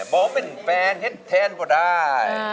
บอกว่าเป็นแฟนเห็นแทนพอได้